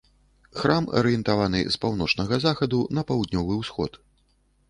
Храм арыентаваны з паўночнага захаду на паўднёвы ўсход.